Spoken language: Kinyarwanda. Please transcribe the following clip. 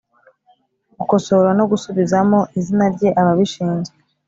gukosora no gusubizamo izina rye Ababishinzwe